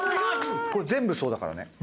これ全部そうだからね。